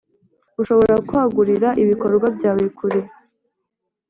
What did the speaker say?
Ushobora kwagurira ibikorwa byawe kure.